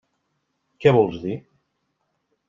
Què vols dir?